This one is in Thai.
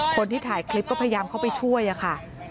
คนที่ถ่ายคลิปก็พยายามเข้าไปช่วยค่ะ